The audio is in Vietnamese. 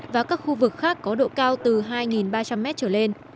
và các khu vực khác có độ cao từ hai ba trăm linh m trở lên